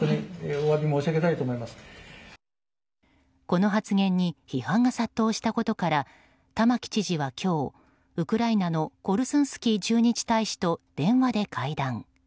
この発言に批判が殺到したことから玉城知事は今日ウクライナのコルスンスキー駐日大使と電話で会談。